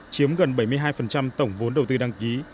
chiếm gần bảy mươi hai tổng vốn đầu tư đăng ký